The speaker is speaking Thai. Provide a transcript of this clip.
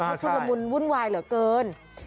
เขาช่วยกับมุนวุ่นวายเหลือเกิน